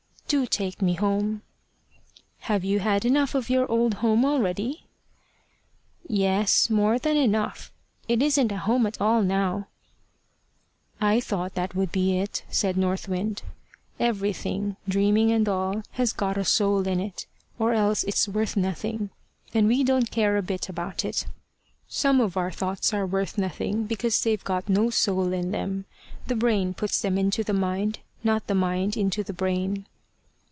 "Do take me home." "Have you had enough of your old home already?" "Yes, more than enough. It isn't a home at all now." "I thought that would be it," said North Wind. "Everything, dreaming and all, has got a soul in it, or else it's worth nothing, and we don't care a bit about it. Some of our thoughts are worth nothing, because they've got no soul in them. The brain puts them into the mind, not the mind into the brain."